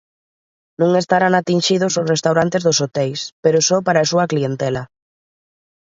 Non estarán atinxidos os restaurantes dos hoteis, pero só para a súa clientela.